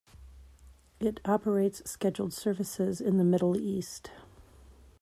It operates scheduled services in the Middle East.